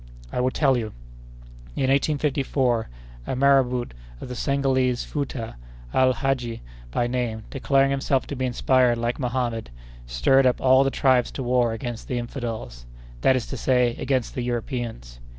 "I will tell you. In 1854 a Marabout of the Senegalese Fouta, Al Hadji by name, declaring himself to be inspired like Mohammed, stirred up all the tribes to war against the infidels—that is to say, against the Europeans.